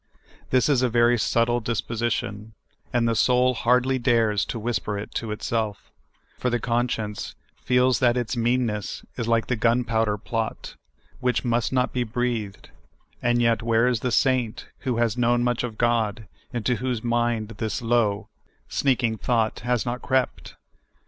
This is a very subtle disposition, and the soul hardly dares to whisper it to itself, for the conscience feels that its meanness is like the gunpowder plot, which must not be breathed : and yet, w^iere is the saint who has known much of God, into whose mind this low, sneak ing thought has not crept